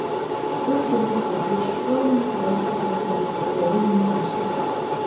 Той сігаў поплеч, плаўна махаючыся на хаду, як вялізны бусел.